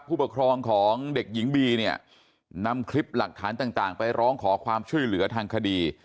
ผู้ปกครองของเด็กหญิงบีเนี่ยนำคลิปหลักฐานต่างไปร้องขอความช่วยเหลือทางคดี